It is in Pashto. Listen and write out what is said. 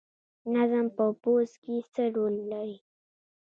نظم په پوځ کې څه رول لري؟